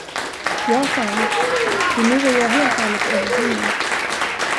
Ja, sade han, ty nu är jag helt och hållet övervunnen.